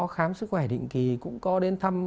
khám sức khỏe định kỳ cũng có đến thăm